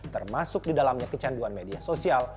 termasuk di dalamnya kecanduan media sosial